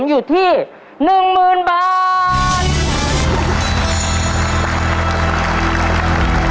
ตัวเลือกที่สองวนทางซ้าย